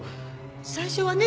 最初はね